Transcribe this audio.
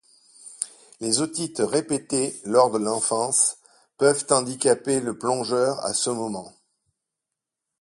Les otites répétées lors de l'enfance peuvent handicaper le plongeur à ce moment.